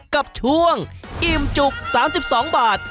กับช่วงอิ่มจุก๓๒บาท